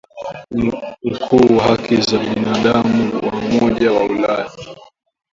Mkuu wa haki za binadamu wa Umoja wa Ulaya.